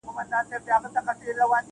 • زه به درځم چي په ارغند کي زرغونې وي وني -